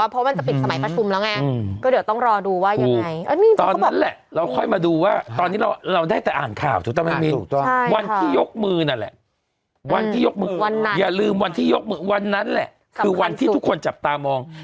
เพราะเขาให้เวลาฝ่ายคันใน๒๒ชั่วโมง